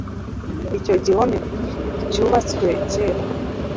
Icyo gihome cyubatswe kera